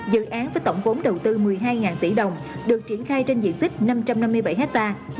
dự án với tổng vốn đầu tư một mươi hai tỷ đồng được triển khai trên diện tích năm trăm năm mươi bảy ha